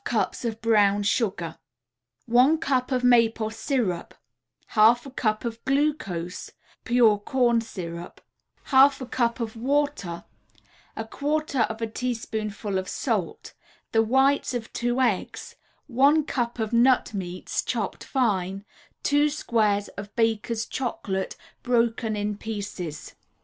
"] 1 1/2 cups of brown sugar, 1 cup of maple syrup, 1/2 a cup of glucose pure corn syrup, 1/2 a cup of water, 1/4 a teaspoonful of salt, The whites of 2 eggs, 1 cup of nut meats, chopped fine, 2 squares of Baker's Chocolate, broken in pieces.